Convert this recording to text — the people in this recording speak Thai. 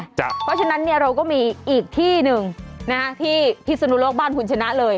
เพราะฉะนั้นเราก็มีอีกที่หนึ่งที่พิศนุโลกบ้านคุณชนะเลย